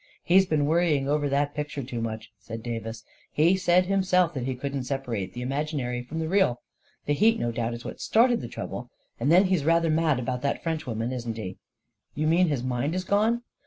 " He has been worrying over that picture too much," said Davis. u He said himself that he couldn't separate the imaginary from the real. The heat no doubt is what started the trouble. And then he's rather mad about that Frenchwoman, isn't he?" 44 You mean his mind is gone